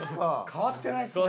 変わってないっすね。